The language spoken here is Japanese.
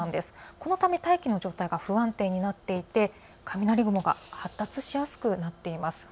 このため大気の状態が不安定になっていて雷雲が発達しやすくなっています。